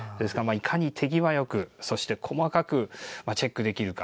いかに手際よくそして細かくチェックできるか。